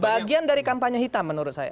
bagian dari kampanye hitam menurut saya